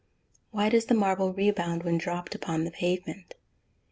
_Why does a marble rebound when dropped upon the pavement?